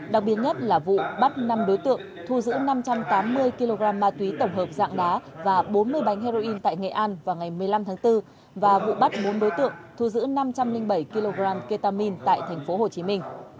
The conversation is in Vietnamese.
đặc biệt nhất là vụ bắt năm đối tượng thu giữ năm trăm tám mươi kg ma túy tổng hợp dạng đá và bốn mươi bánh heroin tại nghệ an vào ngày một mươi năm tháng bốn và vụ bắt bốn đối tượng thu giữ năm trăm linh bảy kg ketamine tại thành phố hồ chí minh